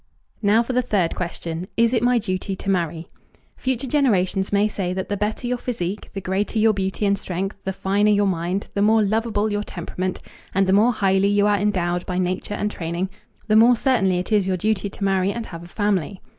Now for the third question, "Is it my duty to marry?" Future generations may say that the better your physique, the greater your beauty and strength, the finer your mind, the more lovable your temperament, and the more highly you are endowed by nature and training, the more certainly it is your duty to marry and have a family.